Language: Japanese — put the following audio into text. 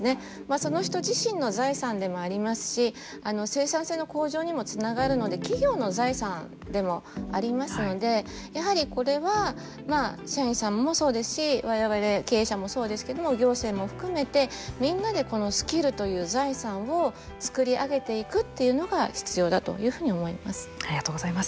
その人自身の財産でもありますし生産性の向上にもつながるので企業の財産でもありますのでやはりこれは社員さんもそうですし我々経営者もそうですけども行政も含めてみんなでこのスキルという財産を作りあげていくというのが必要だというふうに思います。